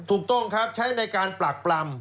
ถูกต้องครับใช้ในการปรักปรำ